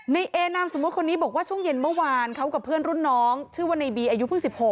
ในเอนามสมมุติคนนี้บอกว่าช่วงเย็นเมื่อวานเขากับเพื่อนรุ่นน้องชื่อว่าในบีอายุเพิ่ง๑๖